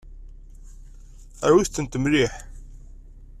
Rwit-tent mliḥ.